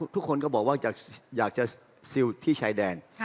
ทุกคนก็บอกว่าอยากจะซิลที่ชายแดน